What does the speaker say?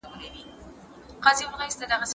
د تمرین منظم کول د انرژۍ کچه زیاتوي.